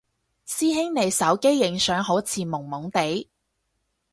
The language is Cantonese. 師兄你手機影相好似朦朦哋？